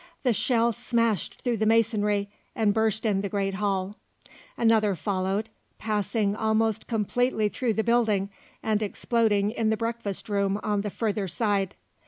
The shell smashed through the masonry, and burst in the great hall. Another followed, passing almost completely through the building and exploding in the breakfast room on the further side.